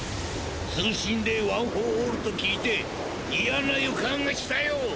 通信でワン・フォー・オールと聞いて嫌な予感がしたよ。